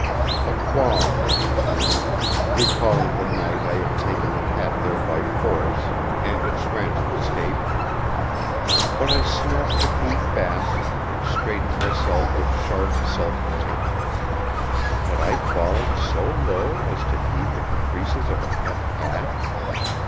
A qualm ran through me, recalling the night I had taken the cat there by force and its frantic escape. But I snapped the key fast and straightened myself with sharp self contempt. Had I fallen so low as to heed the caprices of a pet cat?